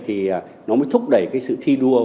thì nó mới thúc đẩy cái sự thi đua